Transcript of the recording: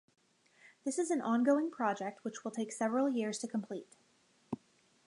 This is an ongoing project which will take several years to complete.